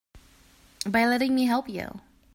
By letting me help you.